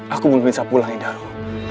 aku belum bisa pulang indah buru